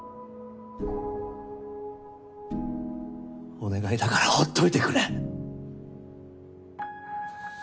お願いだからほっといてくれ！